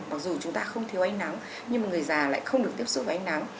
mặc dù chúng ta không thiếu ánh nắng nhưng mà người già lại không được tiếp xúc với ánh nắng